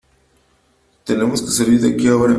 Tenemos que salir de aquí ahora .